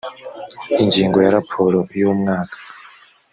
ingingo ya raporo y umwaka